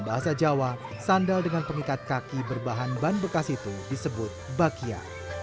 bahasa jawa sandal dengan pengikat kaki berbahan ban bekas itu disebut bakia